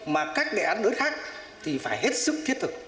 mà các đề án đối khác thì phải hết sức thiết thực